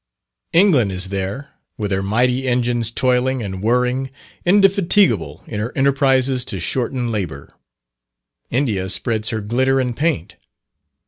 England is there, with her mighty engines toiling and whirring, indefatigable in her enterprises to shorten labour. India spreads her glitter and paint.